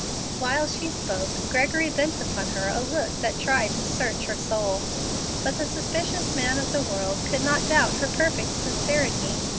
While she spoke Gregory bent upon her a look that tried to search her soul. But the suspicious man of the world could not doubt her perfect sincerity.